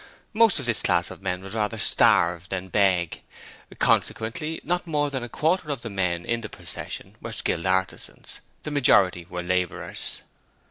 Most of this class of men would rather starve than beg. Consequently not more than a quarter of the men in the procession were skilled artisans; the majority were labourers.